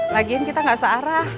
lagian kita gak searah